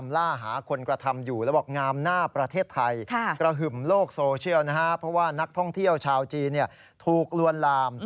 ลูกค้าสาวจีนถูกลวนลาม